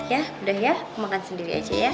ya udah ya makan sendiri aja ya